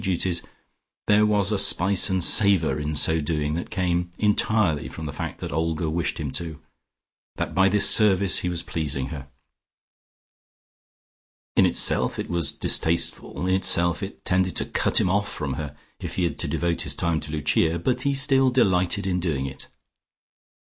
duties, there was a spice and savour in so doing that came entirely from the fact that Olga wished him to, that by this service he was pleasing her. In itself it was distasteful, in itself it tended to cut him off from her, if he had to devote his time to Lucia, but he still delighted in doing it.